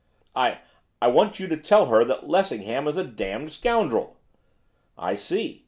'I I want you to tell her that Lessingham is a damned scoundrel.' 'I see.